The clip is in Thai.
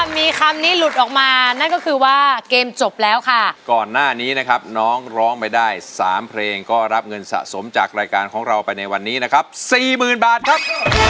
มีคำนี้หลุดออกมานั่นก็คือว่าเกมจบแล้วค่ะก่อนหน้านี้นะครับน้องร้องไปได้๓เพลงก็รับเงินสะสมจากรายการของเราไปในวันนี้นะครับสี่หมื่นบาทครับ